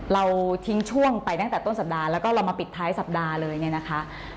เราทิ้งช่วงไปตั้งแต่ต้นสัปดาห์แล้วก็เรามาปิดท้ายสัปดาห์เลยเนี่ยนะคะ